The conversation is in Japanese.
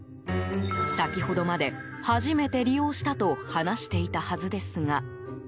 先ほどまで初めて利用したと話していたはずですが。